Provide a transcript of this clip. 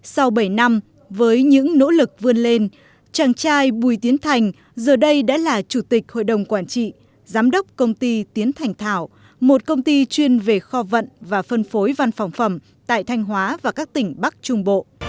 sau bảy năm với những nỗ lực vươn lên chàng trai bùi tiến thành giờ đây đã là chủ tịch hội đồng quản trị giám đốc công ty tiến thành thảo một công ty chuyên về kho vận và phân phối văn phòng phẩm tại thanh hóa và các tỉnh bắc trung bộ